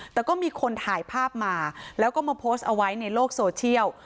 แต่ก็มีคนถ่ายภาพมาแล้วก็มาโพสต์เอาไว้ในโลกโซเชียล